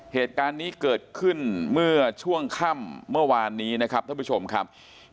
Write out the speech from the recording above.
เหตุการณ์นี้เกิดขึ้นเมื่อช่วงค่ำเมื่อวานนี้นะครับท่านผู้ชมครับ